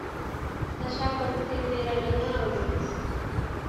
ndashaka gutemberana nawe